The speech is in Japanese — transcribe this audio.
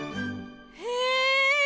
へえ！